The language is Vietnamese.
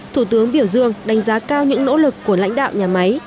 thủ tướng biểu dương đánh giá cao những nỗ lực của lãnh đạo nhà máy